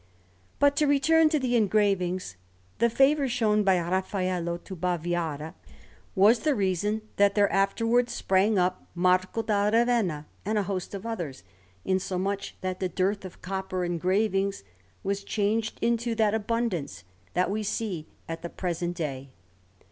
But to return to the engravings; the favour shown by Raffaello to Baviera was the reason that there afterwards sprang up Marco da Ravenna and a host of others, insomuch that the dearth of copper engravings was changed into that abundance that we see at the present day.